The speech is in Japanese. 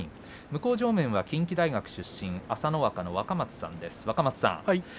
向正面は近畿大学出身朝乃若の若松さんです。